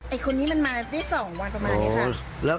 คนนี้มันมาได้๒วันประมาณนี้ค่ะ